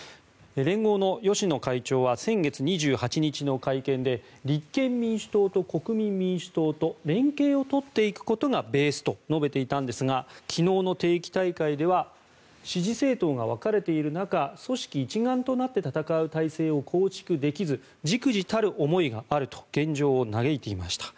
連合の芳野会長は先月２８日の会見で立憲民主党と国民民主党と連携を取っていくことがベースと述べていたんですが昨日の定期大会では支持政党が分かれている中組織一丸となって戦う体制を構築できず忸怩たる思いがあると現状を嘆いていました。